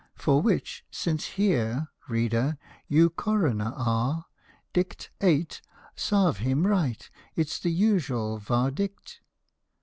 (For which, since here, Reader, you coroner are, tlict Ate, " Sarve him right " it's the usual vardict.)